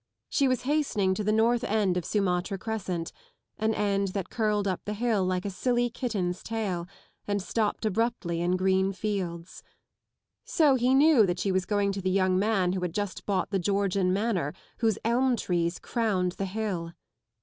She was hastening to the north end of Sumatra Crescent, an end that curled up the hill like a silly kitten's tail and stopped abruptly in green Belds. So he knew that she was going to the young man who had just bought the Georgian Manor, whose elm trees crowned the hill.